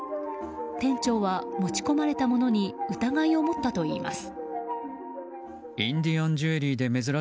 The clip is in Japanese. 店長は持ち込まれたものに疑いを持ったといいます。